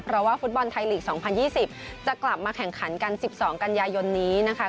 เพราะว่าฟุตบอลไทยลีกส์สองพันยี่สิบจะกลับมาแข่งขันกันสิบสองกันยายนนี้นะคะ